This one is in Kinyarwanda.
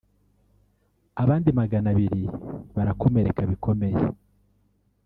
abandi Magana abiri barakomereka bikomeye